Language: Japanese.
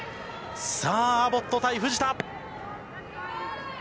さあ、アボット対藤田。